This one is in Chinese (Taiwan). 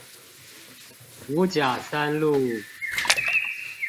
五甲三路